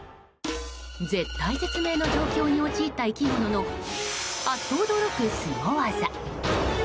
絶体絶命の状況に陥った生き物のあっと驚くスゴ技。